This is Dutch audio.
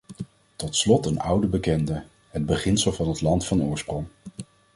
Tot slot een oude bekende: het beginsel van het land van oorsprong.